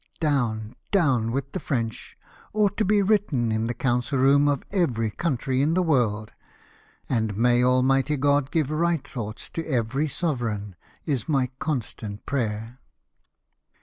Down, dotvn with the Fren ch ! ought to be written in the council room of every country in the world, and may Almighty God give right thoughts to every sovereign, is my constant prayer."